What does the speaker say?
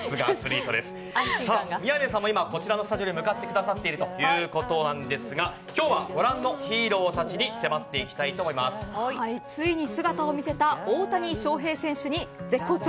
宮根さんも今、こちらのスタジオに向かってくださっているということですが今日はご覧のヒーローたちについに姿を見せた大谷翔平選手に絶好調